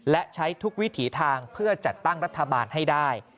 และใช้ทุกวิถีทางเพื่อจัดตั้งรัฐบาลให้ได้